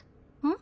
ん？